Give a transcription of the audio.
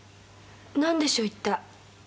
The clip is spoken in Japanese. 何でしょう一体？